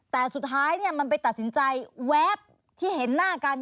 แต่สุดท้ายมันไปตัดสินใจแวบที่เห็นหน้ากัน